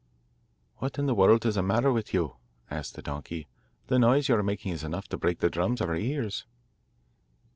'What in the world is the matter with you?' asked the donkey. 'The noise you are making is enough to break the drums of our ears.